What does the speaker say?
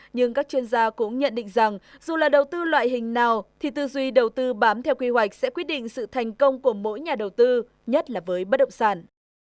nhưng các chuyên gia cũng nhận định rằng dù là đầu tư loại hình nào thì tư duy đầu tư bám theo quy hoạch sẽ quyết định sự thành công của mỗi nhà đầu tư nhất là với bất động sản